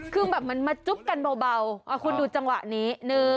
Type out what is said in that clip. คือแบบเหมือนมาจุ๊บกันเบาคุณดูจังหวะนี้